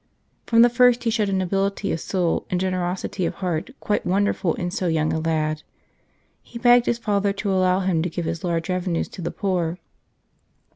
From the first he showed a nobility of soul and generosity of heart quite wonderful in so young a lad. He begged his father to allow him to give his large revenues to the poor.